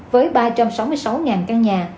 với ba trăm sáu mươi sáu căn nhà